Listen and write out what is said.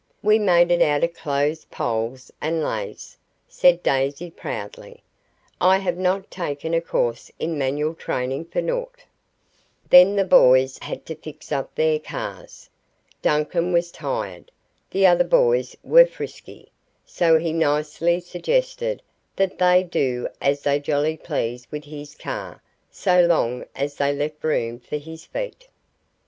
"We made it out of clothes poles and laths," said Daisy proudly. "I have not taken a course in manual training for naught." Then the boys had to fix up their cars. Duncan was tired the other boys were frisky so he nicely suggested that they "do as they jolly pleased with his car, so long as they left room for his feet."